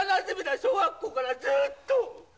小学校からずっと。